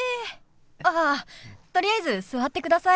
あっとりあえず座ってください。